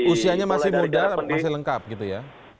usianya masih muda masih lengkap gitu ya